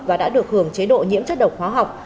và đã được hưởng chế độ nhiễm chất độc hóa học